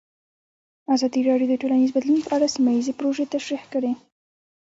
ازادي راډیو د ټولنیز بدلون په اړه سیمه ییزې پروژې تشریح کړې.